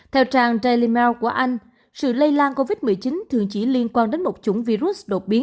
theo trang ji limal của anh sự lây lan covid một mươi chín thường chỉ liên quan đến một chủng virus đột biến